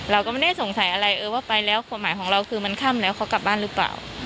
เราก็ไม่ได้สงสัยอะไรเออว่าไปแล้วความหมายของเราคือมันค่ำแล้วเขากลับบ้านหรือเปล่า